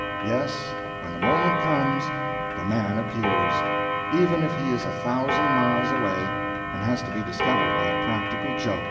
Yes, when the Moment comes, the Man appears even if he is a thousand miles away, and has to be discovered by a practical joke.